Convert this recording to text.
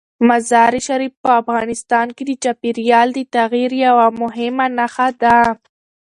مزارشریف په افغانستان کې د چاپېریال د تغیر یوه مهمه نښه ده.